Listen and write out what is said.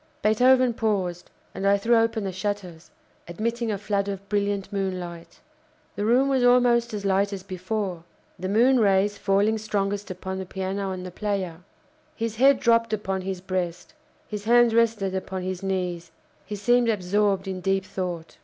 Beethoven paused, and I threw open the shutters, admitting a flood of brilliant moonlight. The room was almost as light as before, the moon rays falling strongest upon the piano and the player. His head dropped upon his breast; his hands rested upon his knees; he seemed absorbed in deep thought.